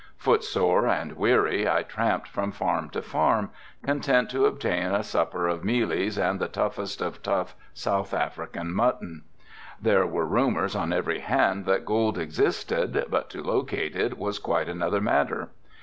Footsore and weary I tramped from farm to farm, content to obtain a supper of mealies and the toughest of tough South African mutton. There were rumors on every hand that gold existed but to locate it was quite another matter.